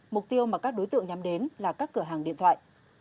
mục tiêu mà các đối tượng nhắm đến là các cửa hàng điện thoại